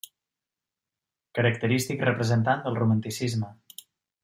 Característic representant del Romanticisme.